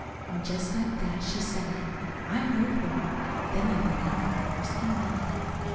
Just like that, she said it. I heard her. Then I went out, of course, an' left them.